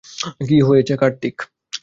কী হয়েছে কার্তিক?